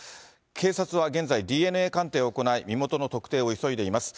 警察は現在、ＤＮＡ鑑定を行い、身元の特定を急いでいます。